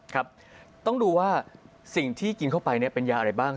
ครับต้องดูว่าสิ่งที่กินเข้าไปเป็นยาอะไรบ้าง